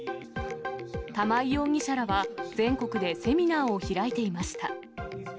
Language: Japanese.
玉井容疑者らは全国でセミナーを開いていました。